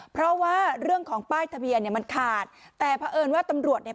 เพราะว่าเรื่องของป้ายทะเบียนเนี่ยมันขาดแต่เพราะเอิญว่าตำรวจเนี่ย